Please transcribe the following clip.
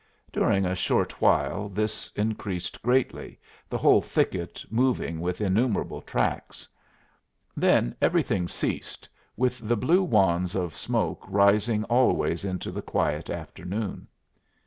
During a short while this increased greatly, the whole thicket moving with innumerable tracks. Then everything ceased, with the blue wands of smoke rising always into the quiet afternoon.